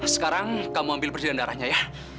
sekarang kamu ambil persediaan darahnya ya